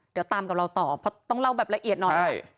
เดี๋ยวตามกับเราต่อเพราะต้องเล่าแบบละเอียดหน่อย